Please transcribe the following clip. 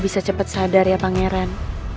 lo bisa cepet sadar ya pangeran